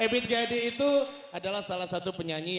amal dan dosa yang kita perbuah